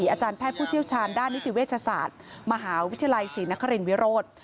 อาจารย์แพทย์ผู้เชี่ยวชาญด้านนิติเวชศาสตร์มหาวิทยาลัยศรีนครินวิโรธ